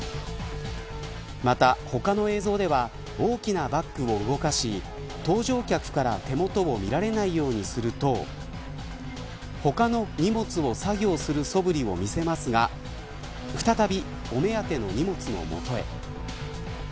また、他の映像では大きなバッグを動かし搭乗客から手元を見られないようにすると他の荷物を作業するそぶりを見せますが再びお目当ての荷物のもとへ。